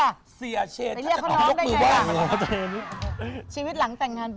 อันนี้ยังไงล่ะ